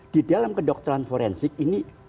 di dalam kedokteran forensik ini